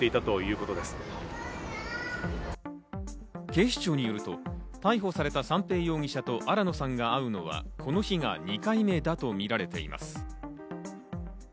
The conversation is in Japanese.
警視庁によると、逮捕された三瓶容疑者と新野さんが会うのはこの日が２回目だとみられています。